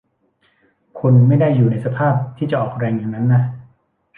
คุณไม่ได้อยู่ในสภาพที่จะออกแรงอย่างนั้นนะ